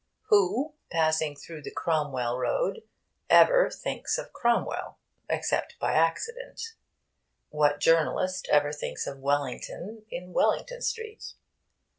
Who, passing through the Cromwell Road, ever thinks of Cromwell, except by accident? What journalist ever thinks of Wellington in Wellington Street?